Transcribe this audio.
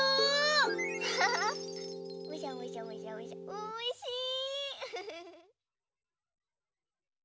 おいしい。